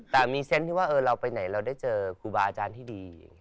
แต่มีเซนต์ที่ว่าเราไปไหนเราได้เจอครูบาอาจารย์ที่ดี